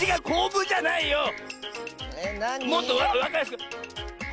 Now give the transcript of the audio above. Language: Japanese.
こぶじゃないよ。